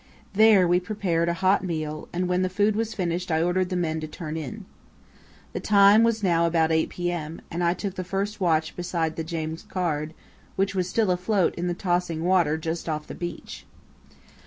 There we prepared a hot meal, and when the food was finished I ordered the men to turn in. The time was now about 8 p.m., and I took the first watch beside the James Caird, which was still afloat in the tossing water just off the beach.